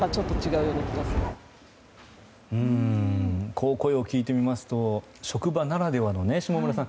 こう声を聞いてみますと職場ならではの、下村さん